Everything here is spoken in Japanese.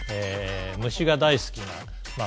虫が大好きなまあ